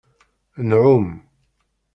Nɛum.